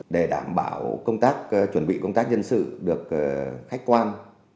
để đảm bảo chuẩn bị công tác nhân sự được khách quan